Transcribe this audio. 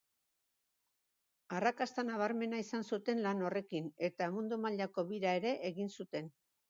Arrakasta nabarmena izan zuten lan horrekin eta mundu mailako bira ere egin zuten.